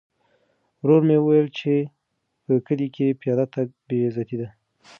ورور مې وویل چې په کلي کې پیاده تګ بې عزتي ده.